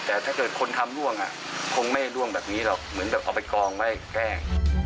แต่ถ้าเกิดคนทำร่วงคงไม่ล่วงแบบนี้หรอกเหมือนแบบเอาไปกองไว้แกล้ง